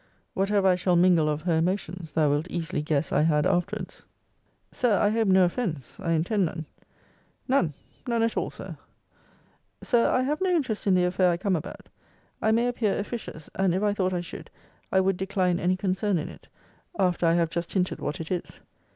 Whatever I shall mingle of her emotions, thou wilt easily guess I had afterwards. Sir, I hope no offence. I intend none. None None at all, Sir. Sir, I have no interest in the affair I come about. I may appear officious; and if I thought I should, I would decline any concern in it, after I have just hinted what it is.